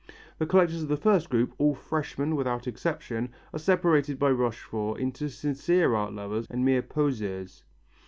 The collectors of the first group, all freshmen without exception, are separated by Rochefort into sincere art lovers and mere poseurs.